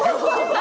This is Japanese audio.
何？